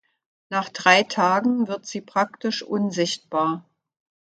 Nach drei Tagen wird sie praktisch unsichtbar.